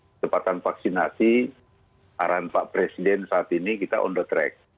kecepatan vaksinasi arahan pak presiden saat ini kita on the track